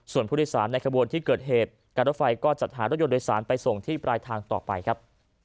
ส่วนผู้โดยสารในขบวนที่เกิดเหตุการรถไฟก็จัดหารถยนต์โดยสารไปส่งที่ปลายทางต่อไปครับ